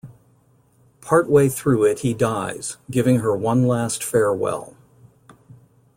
Part way through it, he dies, giving her one last farewell.